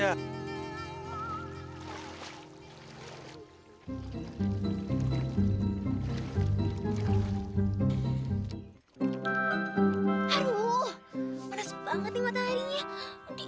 aduh panas banget nih mataharinya